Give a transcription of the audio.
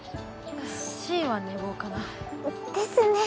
しーは寝坊かな。ですね。